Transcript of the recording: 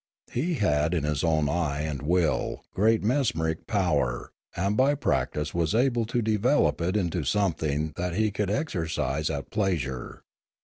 He had in his own eye and will great mes meric power, and by practice was able to develop it into something that he could exercise at pleasure.